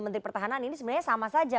menteri pertahanan ini sebenarnya sama saja